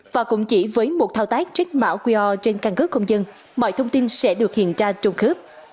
và cũng chỉ với một thao tác trích mạo quy o trên căn cứ không dân mọi thông tin sẽ được hiện ra trùng khớp